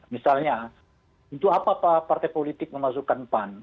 misalnya untuk apa pak partai politik memasukkan pan